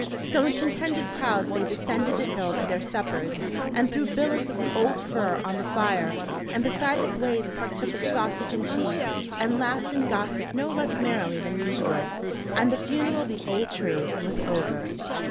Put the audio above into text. So in contented crowds they descended the hill to their suppers, and threw billets of the old fir on the fire, and beside the blaze partook of sausage and cheese, and laughed and gossiped no less merrily than usual, and the funeral of the old tree was over.